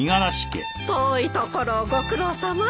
遠いところをご苦労さま。